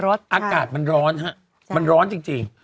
คือวันนี้อากาศมันร้อนฮะมันร้อนจริง